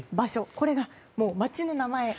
これが町の名前。